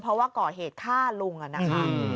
เพราะว่าก่อเหตุฆ่าลุงอะนะคะ